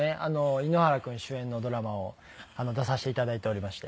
井ノ原君主演のドラマを出させて頂いておりまして。